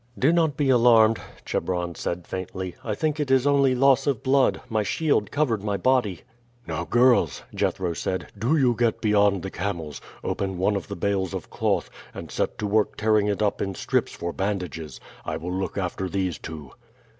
"Do not be alarmed," Chebron said faintly. "I think it is only loss of blood; my shield covered my body." "Now, girls," Jethro said, "do you get beyond the camels, open one of the bales of cloth, and set to work tearing it up in strips for bandages. I will look after these two."